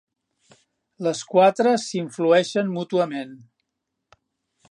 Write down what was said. Les quatre s'influeixen mútuament.